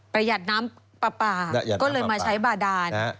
หยัดน้ำปลาปลาก็เลยมาใช้บาดาน